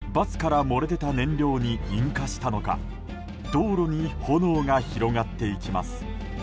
更にバスから漏れ出た燃料に引火したのか道路に炎が広がっていきます。